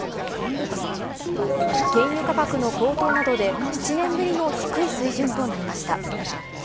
原油価格の高騰などで、７年ぶりの低い水準となりました。